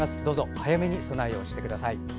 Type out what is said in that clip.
早めに備えをしてください。